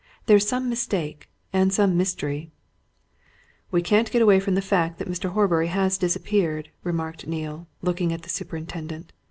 There's some mistake and some mystery." "We can't get away from the fact that Mr. Horbury has disappeared," remarked Neale, looking at the superintendent.